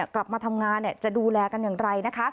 กลับมาทำงานจะดูแลกันอย่างไรนะคะ